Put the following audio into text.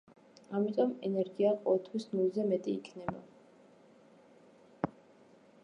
ამიტომ ენერგია ყოველთვის ნულზე მეტი იქნება.